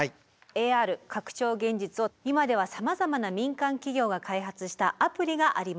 ＡＲ拡張現実を今ではさまざまな民間企業が開発したアプリがあります。